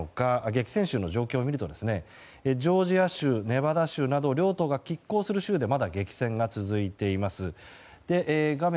激戦州の状況を見るとジョージア州、ネバダ州など両党が拮抗する州でまだ激戦が続いています。